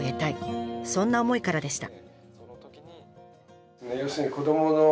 そんな思いからでした。